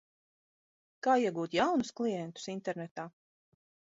Kā iegūt jaunus klientus internetā?